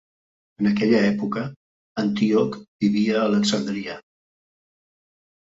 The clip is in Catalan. En aquella època, Antíoc vivia a Alexandria.